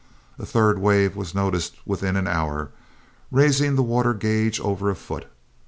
A third wave was noticed within an hour, raising the water gauge over a foot.